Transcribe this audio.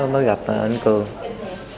mới gặp anh cường